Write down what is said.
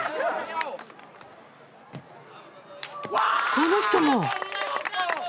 この人も！